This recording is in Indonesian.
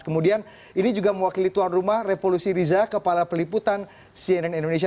kemudian ini juga mewakili tuan rumah revolusi riza kepala peliputan cnn indonesia